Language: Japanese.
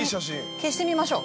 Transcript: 消してみましょう。